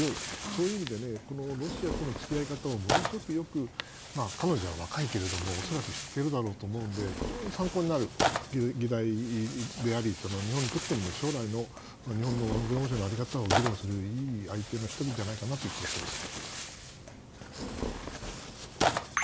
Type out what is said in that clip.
そういう意味で、ロシアとの付き合い方をものすごくよく彼女は若いけど恐らく知っていると思うので非常に参考になる議題であり日本にとっても将来の日本の行政の在り方を議論するいい相手の１人じゃないかという気がします。